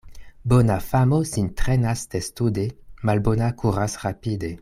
Bona famo sin trenas testude, malbona kuras rapide.